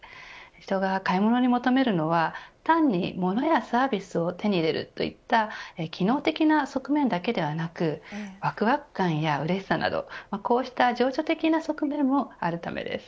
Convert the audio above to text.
人が買い物に求めるのは単にモノやサービスを手に入れるといった機能的な側面だけではなくワクワク感やうれしさなどこうした情緒的な側面もあるためです。